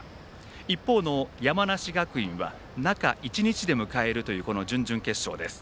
一方の山梨学院は中１日で迎えるというこの準々決勝です。